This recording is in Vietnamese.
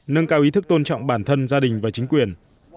nâng cao ý thức tôn trọng bản thân gia đình và chính quyền